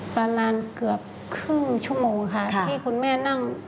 ประมาณเกือบครึ่งชั่วโมงค่ะที่คุณแม่นั่ง